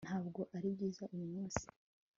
ntabwo ari byiza uyu munsi